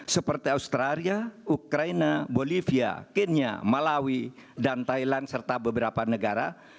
seperti australia ukraina bolivia kenya malawi dan thailand serta beberapa negara